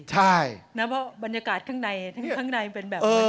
ใช่นะเพราะบรรยากาศข้างในข้างในเป็นแบบนั้น